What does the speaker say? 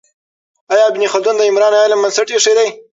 آیا ابن خلدون د عمران علم بنسټ ایښی دی؟